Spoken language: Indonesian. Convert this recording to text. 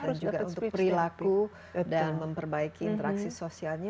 dan juga untuk perilaku dan memperbaiki interaksi sosialnya